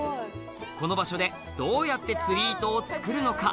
この場所でどうやって釣り糸を作るのか？